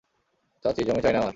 চাচী, জমি চাই না আমার।